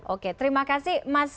oke terima kasih mas